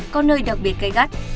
có nơi đặc biệt cay cắt